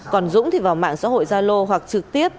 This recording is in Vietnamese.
còn dũng thì vào mạng xã hội gia lô hoặc trực tiếp